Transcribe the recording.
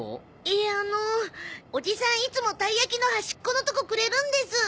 いえあのおじさんいつもたいやきの端っこのとこくれるんです。